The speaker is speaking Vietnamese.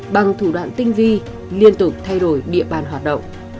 bằng thủ đoạn tinh vi liên tục thay đổi địa bàn hoạt động